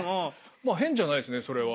まあ変じゃないですねそれは。